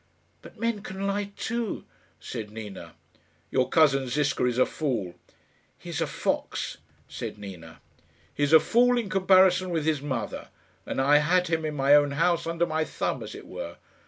"But men can lie too," said Nina. "Your cousin Ziska is a fool." "He is a fox," said Nina. "He is a fool in comparison with his mother. And I had him in my own house, under my thumb, as it were.